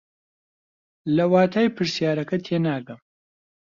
لە واتای پرسیارەکە تێناگەم.